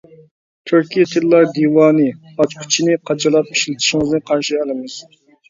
«تۈركىي تىللار دىۋانى» ئاچقۇچىنى قاچىلاپ ئىشلىتىشىڭىزنى قارىشى ئالىمىز.